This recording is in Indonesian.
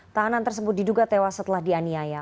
tahanan tersebut diduga tewas setelah dianiaya